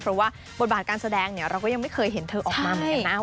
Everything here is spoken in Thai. เพราะว่าบทบาทการแสดงเนี่ยเราก็ยังไม่เคยเห็นเธอออกมาเหมือนกันนะ